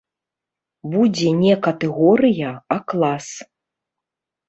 Будзе не катэгорыя, а клас.